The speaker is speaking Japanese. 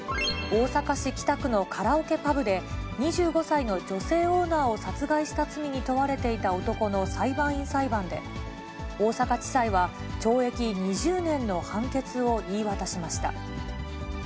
大阪市北区のカラオケパブで、２５歳の女性オーナーを殺害した罪に問われていた男の裁判員裁判で、大阪地裁は懲役２０年の判決を言い渡しました。